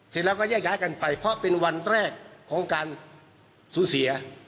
เสร็จแล้วก็แยกย้ายกันไปเพราะเป็นวันแรกของการสูญเสีย